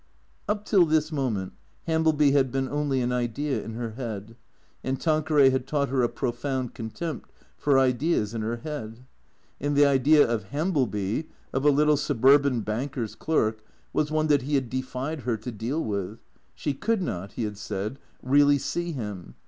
Up till this moment Hambleby had been only an idea in her head, and Tanqueray had taught her a profound contempt for ideas in her head. And the idea of Hambleby, of a little sub urban banker's clerk, was one that he had defied her to deal with ; she could not, he had said, really see him.